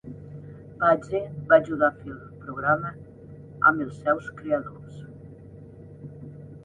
Page va ajudar a fer el programa amb els seus creadors.